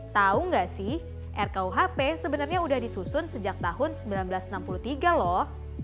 tau gak sih rku hp sebenernya udah disusun sejak tahun seribu sembilan ratus enam puluh tiga loh